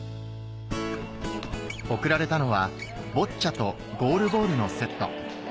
贈られたのはボッチャとゴールボールのセット